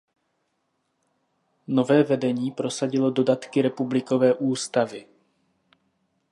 Nové vedení prosadilo dodatky republikové ústavy.